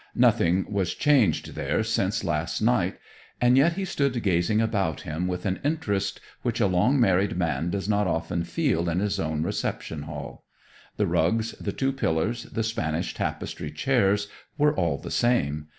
Nothing was changed there since last night, and yet he stood gazing about him with an interest which a long married man does not often feel in his own reception hall. The rugs, the two pillars, the Spanish tapestry chairs, were all the same.